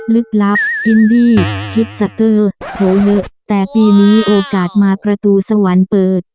ลึกลับอินดี้ฮิปสเกอร์โผล่เยอะแต่ปีนี้โอกาสมาประตูสวรรค์เปิด